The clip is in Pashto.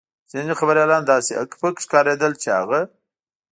ځینې خبریالان داسې هک پک ښکارېدل چې هغه.